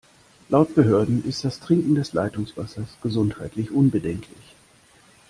Laut Behörden ist das Trinken des Leitungswassers gesundheitlich unbedenklich.